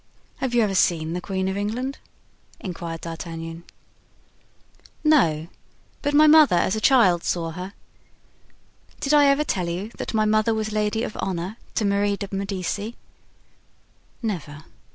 "Have you ever seen the queen of England?" inquired D'Artagnan. "No; but my mother, as a child, saw her. Did I ever tell you that my mother was lady of honor to Marie de Medici?" "Never.